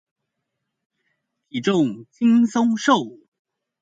體重輕鬆瘦